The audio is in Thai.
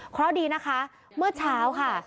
เพราะดีนะคะเมื่อเช้าค่ะ